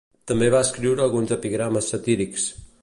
També va escriure alguns epigrames satírics.